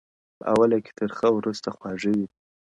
په اوله کي ترخه وروسته خواږه وي,